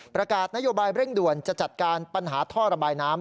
ประกาศนโยบายเร่งด่วนจะจัดการปัญหาท่อระบายน้ำ